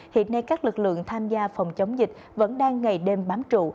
hiện nay các lực lượng tham gia phòng chống dịch vẫn đang ngày đêm bám trụ